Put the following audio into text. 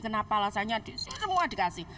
kenapa alasannya semua dikasih